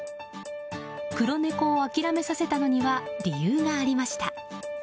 黒猫を諦めさせたのには理由がありました。